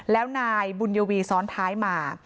แล้วนายบุญยวีซ้อนท้ายมา